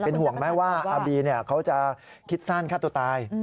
เป็นห่วงไหมว่าอาบีเขาจะคิดสั้นฆ่าตัวตาย